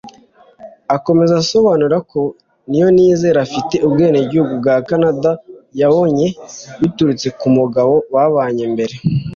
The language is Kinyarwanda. Akomeza asobanura ko Niyonizera afite ubwenegihugu bwa Canada yabonye biturutse k’umugabo babanye mbere